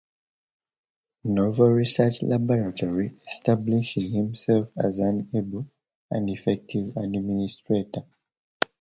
Naval Research Laboratory, establishing himself as an able and effective administrator.